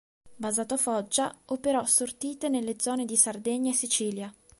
Basato a Foggia, operò sortite nelle zone di Sardegna e Sicilia.